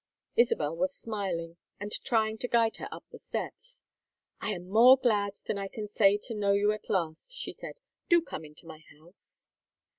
Isabel was smiling and trying to guide her up the steps. "I am more glad than I can say to know you, at last," she said. "Do come into my house."